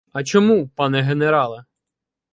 — А чому, пане генерале?